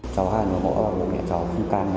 cháu hai nó bỏ vào bộ nhà cháu khu can nhà